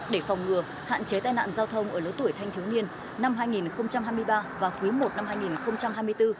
để phòng ngừa hạn chế tai nạn giao thông ở lứa tuổi thanh thiếu niên năm hai nghìn hai mươi ba và quý i năm hai nghìn hai mươi bốn